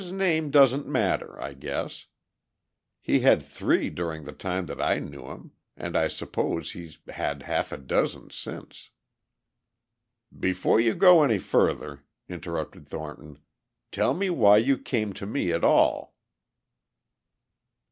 "His name doesn't matter, I guess. He had three during the time that I knew him, and I suppose he's had half a dozen since." "Before you go any further," interrupted Thornton, "tell me why you came to me at all?"